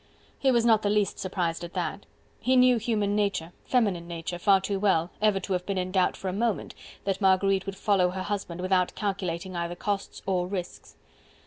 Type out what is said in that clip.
He was not the least surprised at that. He knew human nature, feminine nature, far too well, ever to have been in doubt for a moment that Marguerite would follow her husband without calculating either costs or risks.